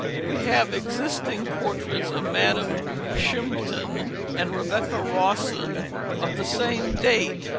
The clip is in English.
We have existing portraits of Madam Shimpton and Rebecca Rawson of the same date.